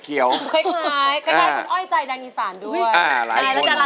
คล้ายคุณเอ่ยใจดังอีสารด้วย